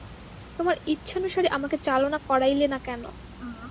তোমার ইচ্ছানুসারে আমাকে চালনা করাইলে না কেন।